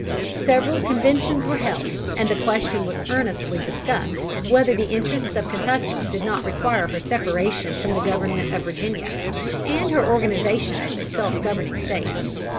Several conventions were held, and the question was earnestly discussed whether the interests of Kentucky did not require her separation from the Government of Virginia, and her organization as a self governing State.